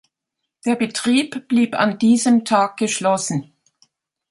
Der Betrieb blieb an diesem Tag geschlossen.